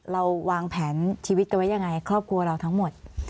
เราวางแผนชีวิตกันไว้ยังไงครอบครัวเราทั้งหมด